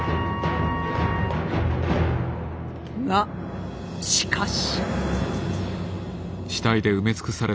がしかし。